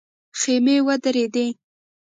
خيمې ودرېدې.